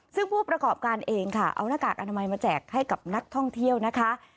ซึ่งผู้ประกอบการเองค่ะเอาหน้ากากอนามัยมาแจกให้กับนักท่องเที่ยวนะคะ